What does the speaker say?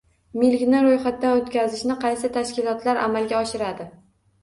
Milkni ro'yxatdan o'tkazishni qaysi tashkilotlar amalga oshiradi?